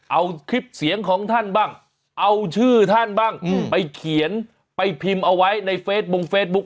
เอาคลิปเสียงของท่านบ้างเอาชื่อท่านบ้างไปเขียนไปพิมพ์เอาไว้ในเฟซบุ๊ค